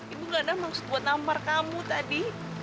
ibu gak ada maksud buat nomor kamu tadi